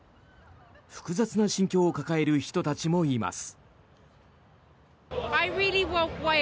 複雑な心境を抱える人たちもいます。